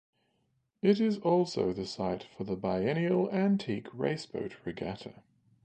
It is also the site for the biennial Antique Raceboat Regatta.